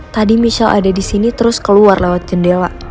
tadi michelle ada disini terus keluar lewat jendela